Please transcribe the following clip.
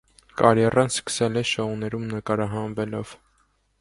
Կարիերան սկսել է շոուներում նկարահանվելով։